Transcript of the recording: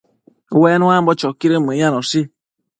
Ue nuambo choquidën mëyanoshi